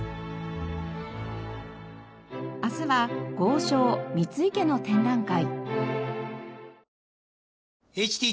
明日は豪商三井家の展覧会。